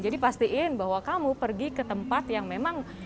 jadi pastikan bahwa kamu pergi ke tempat yang memang